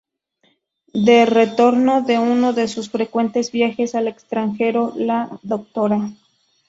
De retorno de uno de sus frecuentes viajes al extranjero, la Dra.